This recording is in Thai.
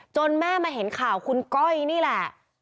แม่มาเห็นข่าวคุณก้อยนี่แหละ